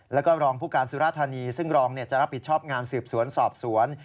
แล้วก็รองผู้การสุรธานีซึ่งรองจะรับผิดชอบงานสืบสวนสอบสวน